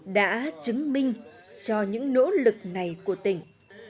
đã chứng minh cho những nỗ lực này của tỉnh